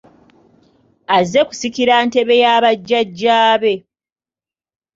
Azze kusikira ntebe ya bajjajja be.